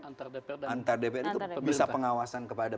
antar dpr itu bisa pengawasan kepada